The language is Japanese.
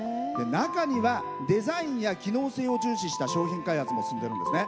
中にはデザインや機能性を重視した商品開発も進んでいるんですね。